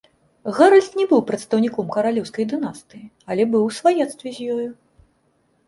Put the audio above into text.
Гаральд не быў прадстаўніком каралеўскай дынастыі, але быў у сваяцтве з ёю.